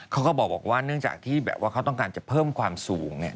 เขาก็บอกว่าเนื่องจากที่แบบว่าเขาต้องการจะเพิ่มความสูงเนี่ย